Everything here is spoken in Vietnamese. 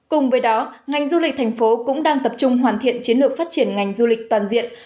cùng với đó ngành du lịch thành phố cũng đang tập trung hoàn thiện chiến lược phát triển